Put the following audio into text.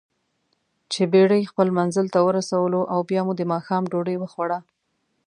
چې بېړۍ خپل منزل ته ورسولواو بیا مو دماښام ډوډۍ وخوړه.